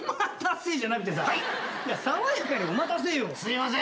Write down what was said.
爽やかに「お待たせ」よ。すいません。